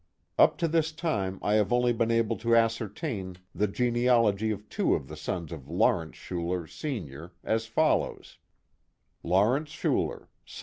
Up to this time I have only been able to ascertain the genealogy of two of the sons of Lawrence Schuler, senior, as follows: r u w < u z u 01.